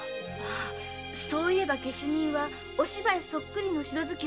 そういえば下手人はお芝居そっくりの白頭巾を被って。